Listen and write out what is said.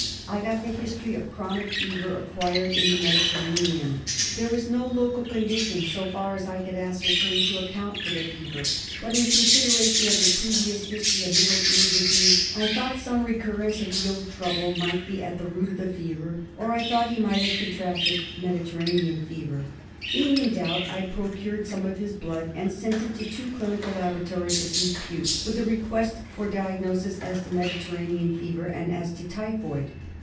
I got the history of chronic fever acquired in the Mediterranean. There was no local condition, so far as I could ascertain, to account for the fever ; but in consideration of the previous history of middle ear disease, I thought some recurrence of the old trouble might be at the root of the fever, or I thought he might have con tracted Mediterranean fever. Being in doubt, I procured some of his blood and sent it to two clinical labora tories of repute, with a request for diagnosis as to Mediterranean fever and as to typhoid.